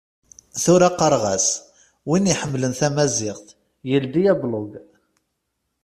Tura qqareɣ-as:Win iḥemmlen tamaziɣt yeldi ablug.